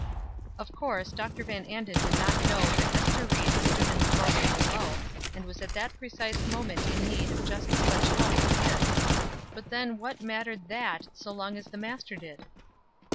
Of course Dr. Van Anden did not know that Ester Ried stood in the doorway below, and was at that precise moment in need of just such help as this; but then what mattered that, so long as the Master did?